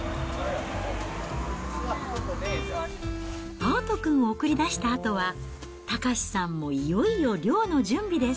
蒼都君を送り出したあとは、岳さんもいよいよ漁の準備です。